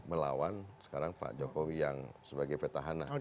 melawan sekarang pak jokowi yang sebagai petahana